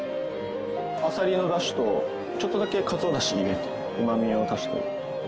あさりのだしとちょっとだけかつおだし入れてうまみを足して。